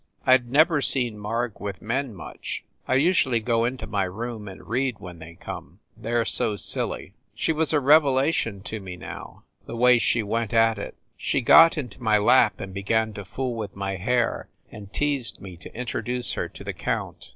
I d never seen Marg with men much. I usually THE ST. PAUL BUILDING 217 go into my room and read when they come, they re so silly. She was a revelation to me now, the way she went at it. She got into my lap and began to fool with my hair and teased me to introduce her to the count.